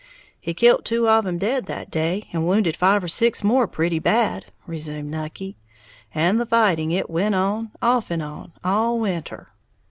"He kilt two of 'em dead that day, and wounded five or six more pretty bad," resumed Nucky, "and the fighting it went on, off and on, all winter.